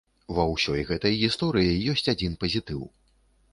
Ва ўсёй гэтай гісторыі ёсць адзін пазітыў.